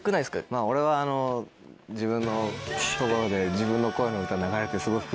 まぁ俺は自分のところで自分の声の歌流れてすごい。